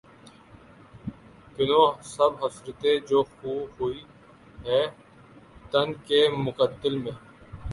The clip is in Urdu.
گنو سب حسرتیں جو خوں ہوئی ہیں تن کے مقتل میں